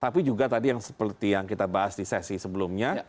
tapi juga tadi yang seperti yang kita bahas di sesi sebelumnya